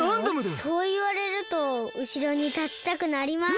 そういわれるとうしろにたちたくなります。